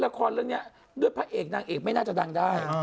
ละครเรื่องนี้ด้วยพระเอกนางเอกไม่น่าจะดังได้